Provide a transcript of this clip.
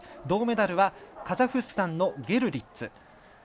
銅メダルはカザフスタンのゲルリッツ。